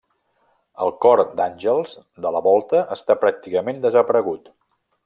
El Cor d'Àngels de la volta està pràcticament desaparegut.